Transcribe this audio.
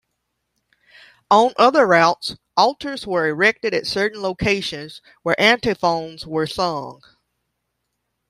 On other routes, altars were erected at certain locations where antiphons were sung.